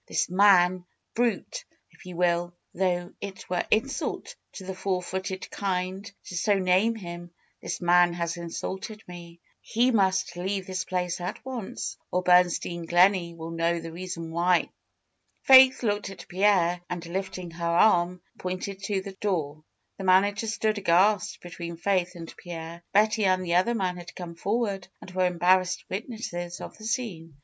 This man — brute! if you will, though it were insult to the four footed kind to so name him — this man has insulted me. He must leave this place at once, or Bernstein Gleney will know the reason why." Faith looked at Pierre and lifting her arm, pointed to the door. The manager stood aghast between Faith and Pierre. Betty and the other man had come forward, and were embarrassed witnesses of the scene.